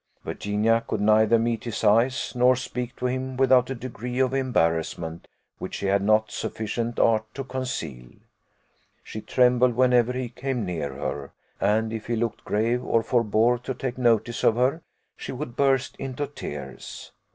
Virginia could neither meet his eyes nor speak to him without a degree of embarrassment which she had not sufficient art to conceal: she trembled whenever he came near her, and if he looked grave, or forbore to take notice of her, she would burst into tears.